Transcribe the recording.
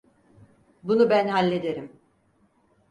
Bunu ben hallederim.